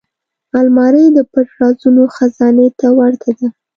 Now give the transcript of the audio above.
الماري د پټ رازونو خزانې ته ورته ده